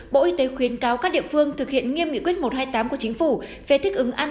bộ y tế khuyến cáo các địa phương thực hiện nghiêm nghị quyết một trăm hai mươi tám của chính phủ về thích ứng an